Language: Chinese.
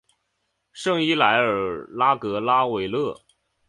圣伊莱尔拉格拉韦勒。